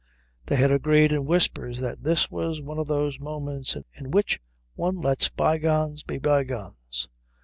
They had agreed in whispers that this was one of those moments in which one lets bygones be bygones.